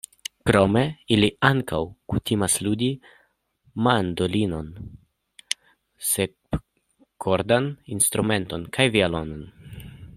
Krome, ili ankaŭ kutimas ludi mandolinon, sepkordan instrumenton kaj violonon.